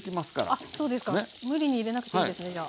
あそうですか。無理に入れなくていいんですねじゃあ。